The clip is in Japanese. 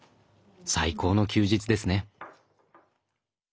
最高の休日ですね。